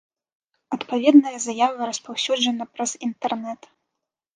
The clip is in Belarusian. Адпаведная заява распаўсюджана праз інтэрнет.